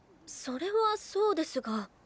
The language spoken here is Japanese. それはそうですが。